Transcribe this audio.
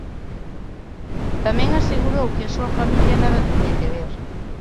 Tamén asegurou que a súa familia nada tiña que ver.